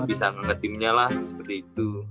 dia bisa ngeke timnya lah seperti itu